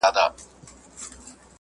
چي غوايي ته دي هم کله چل په زړه سي ..